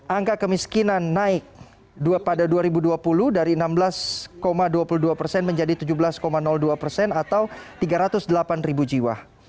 angka kemiskinan naik pada dua ribu dua puluh dari enam belas dua puluh dua persen menjadi tujuh belas dua persen atau tiga ratus delapan jiwa